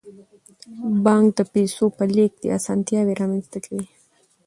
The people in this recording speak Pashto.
بانک د پیسو په لیږد کې اسانتیاوې رامنځته کوي.